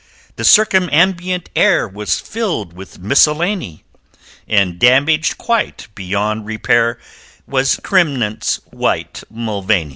The circumambient air Was filled with miscellany, And damaged quite beyond repair Was Cremnitz White Mulvaney!